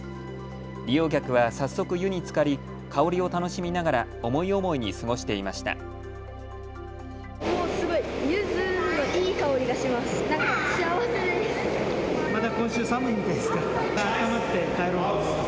利用客は早速湯につかり香りを楽しみながら思い思いに過ごしていました。